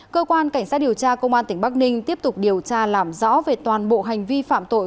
cơ quan cảnh sát điều tra công an tỉnh bắc ninh tiếp tục điều tra làm rõ về toàn bộ hành vi phạm tội